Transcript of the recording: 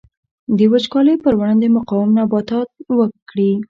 د وچکالۍ پر وړاندې مقاوم نباتات وکري.